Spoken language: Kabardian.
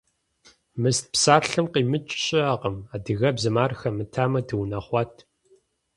«Мыст» псалъэм къимыкӏ щыӏэкъым. Адыгэбзэм ар хэмытамэ дыунэхъуат.